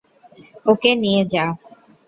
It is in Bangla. ওকে নিয়ে যা।